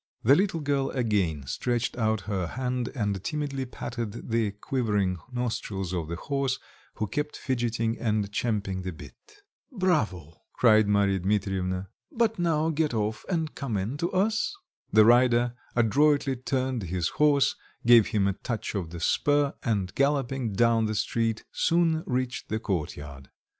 The little girl again stretched out her hand and timidly patted the quivering nostrils of the horse, who kept fidgeting and champing the bit. "Bravo!" cried Marya Dmitrievna, "but now get off and come in to us." The rider adroitly turned his horse, gave him a touch of the spur, and galloping down the street soon reached the courtyard.